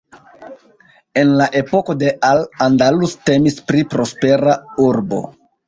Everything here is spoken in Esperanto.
En la epoko de Al Andalus temis pri prospera urbo.